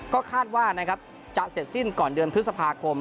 ก็คาดว่านะครับจะเสร็จสิ้นก่อนเดือนพฤษภาคม